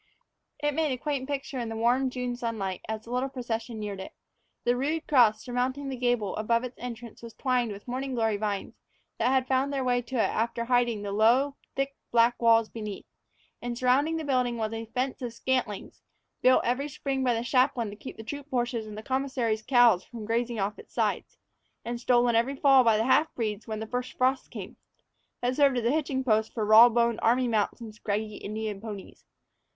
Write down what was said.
It made a quaint picture in the warm June sunlight as the little procession neared it. The rude cross surmounting the gable above its entrance was twined with morning glory vines that had found their way to it after hiding the low, thick, black walls beneath; and surrounding the building was a fence of scantlings built every spring by the chaplain to keep the troop horses and the commissary's cows from grazing off its sides, and stolen every fall by the half breeds when the first frosts came that served as a hitching post for raw boned army mounts and scraggy Indian ponies.